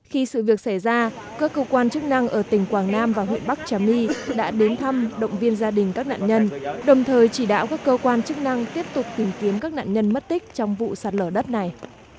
khi sự việc xảy ra các cơ quan chức năng ở tỉnh quảng nam và huyện bắc trà my đã đến thăm động viên gia đình các nạn nhân đồng thời chỉ đạo các cơ quan chức năng tiếp tục tìm kiếm các nạn nhân mất tích trong vụ sạt lở đất này